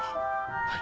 はい。